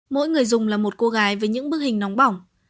mỗi người dùng là một cô gái với những bức hình nóng bỏng